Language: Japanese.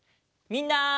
みんな！